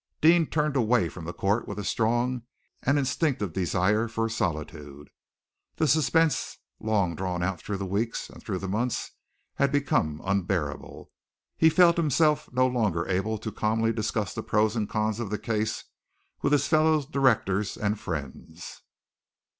Deane turned away from the court with a strong and instinctive desire for solitude. The suspense long drawn out through the weeks and through the months, had become unbearable. He felt himself no longer able calmly to discuss the pros and the cons of the case with his fellow directors and friends.